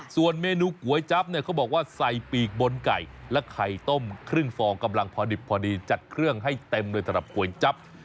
ส่วนเมนูก๋วยจั๊บเนี่ยเขาบอกว่าใส่ปีกบนไก่และไข่ต้มครึ่งฟองกำลังพอดิบพอดีจัดเครื่องให้เต็มเลยสำหรับก๋วยจั๊บ